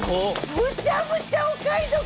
むちゃむちゃお買い得！